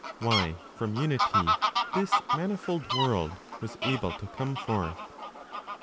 WHY FROM UNITY THIS MANIFOLD WORLD WAS ABLE TO COME FORTH.